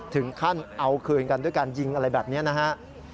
ถึงขั้นเอาคืนกันด้วยการยิงอะไรแบบนี้นะฮะ